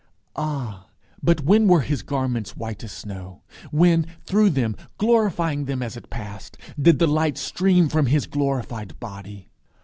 Ah! but when were his garments white as snow? When, through them, glorifying them as it passed, did the light stream from his glorified body?